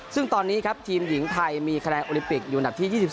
ซึ่งตอนนี้ครับทีมหญิงไทยมีคะแนนโอลิปิกอยู่อันดับที่๒๒